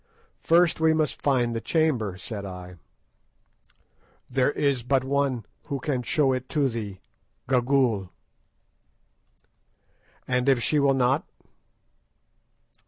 "First we must find the chamber," said I. "There is but one who can show it to thee—Gagool." "And if she will not?"